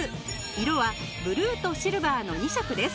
色はブルーとシルバーの２色です。